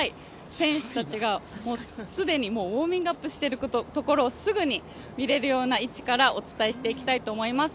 選手たちが既にウォーミングアップしてるところをすぐに見れるような位置からお伝えしていきたいと思います。